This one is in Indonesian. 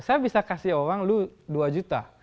saya bisa kasih uang lu dua juta